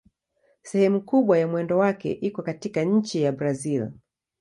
Sehemu kubwa ya mwendo wake iko katika nchi ya Brazil.